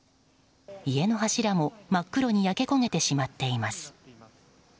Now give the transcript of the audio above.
家の柱も真っ黒に焼け焦げてしまっています。